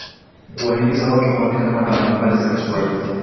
Kuwahimiza watu kuandika mada mbalimbali za Kiswahili